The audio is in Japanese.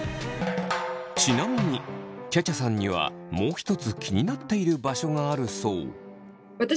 ちなみにちゃちゃさんにはもう一つ気になっている場所があるそう。